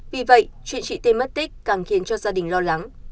vì vậy chuyện chị tê mất tích càng khiến cho gia đình lo lắng